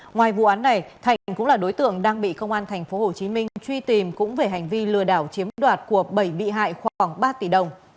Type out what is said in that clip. ngoài vụ án này thạnh cũng là đối tượng đang bị công an thành phố hồ chí minh truy tìm cũng về hành vi lừa đảo chiếm đoạt của bảy bị hại khoảng ba tỷ đồng